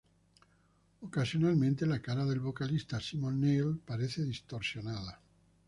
Ocasionalmente, la cara del vocalista Simon Neil parece distorsionada.